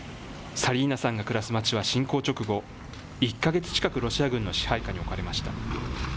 サリーナさんが暮らす街は侵攻直後、１か月近く、ロシア軍の支配下に置かれました。